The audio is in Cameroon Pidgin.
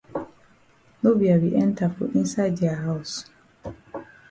No be I be enter for inside dia haus.